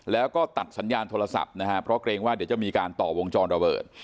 แล้วก็ตัดสัญญาณโทรศัพท์นะฮะเพราะเกรงว่าเดี๋ยวจะมีการต่อวงจรระเบิด